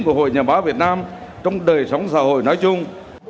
của hội nhà báo việt nam trong đời sống xã hội nói chung